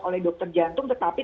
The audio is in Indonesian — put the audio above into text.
oleh dokter jantung